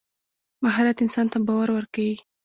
مهارت انسان ته باور ورکوي.